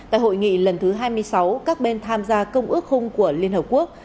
tại hội nghị lần thứ hai mươi sáu các bên tham gia công ước khung của liên hợp quốc